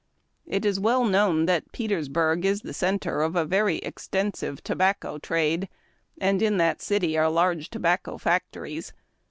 It is well known that Peters burg is the centre of a very extensive tobacco trade, and in that city are large tobacco factories.